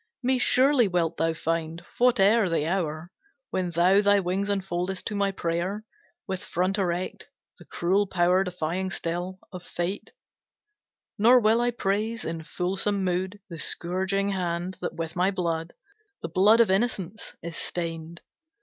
Me surely wilt thou find, whate'er the hour, When thou thy wings unfoldest to my prayer, With front erect, the cruel power Defying still, of Fate; Nor will I praise, in fulsome mood, The scourging hand, that with my blood, The blood of innocence, is stained.